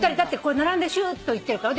並んでしゅーっといってるから。